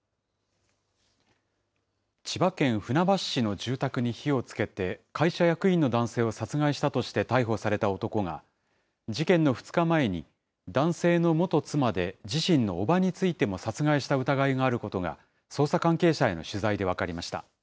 千葉県船橋市の住宅に火をつけて、会社役員の男性を殺害したとして逮捕された男が、事件の２日前に、男性の元妻で、自身の伯母についても殺害した疑いがあることが、捜査関係者への取材で分かりました。